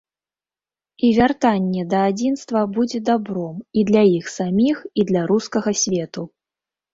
І вяртанне да адзінства будзе дабром і для іх саміх, і для рускага свету.